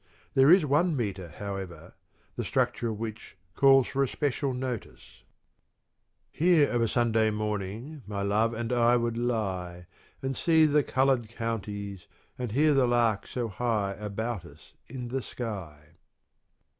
There is one metre, however, the structure of which calls for especial notice. 224 CRITICAL STUDIES Here of a Sunday morning My love and I would lie, And see the coloured counties, And hear the lark so high About us in the sky.